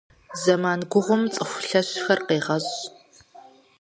Зэман гугъум цӏыху лъэщхэр къегъэщӏ.